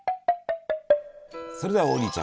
それでは王林ちゃん